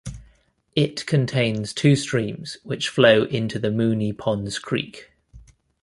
It contains two streams which flow into the Moonee Ponds Creek.